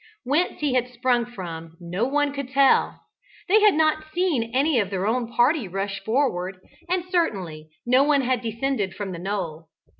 Whence he had sprung from no one could tell; they had not seen any of their own party rush forward, and certainly no one had descended from the knoll.